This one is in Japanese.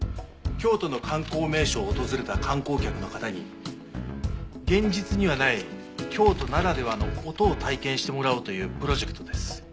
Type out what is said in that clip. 京都の観光名所を訪れた観光客の方に現実にはない京都ならではの音を体験してもらおうというプロジェクトです。